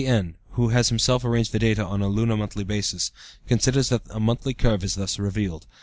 N., who has himself arranged the data on a lunar monthly basis, considers that a monthly curve is thus revealed.